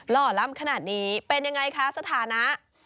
หล่อล้ำขนาดนี้เป็นยังไงคะสถานะ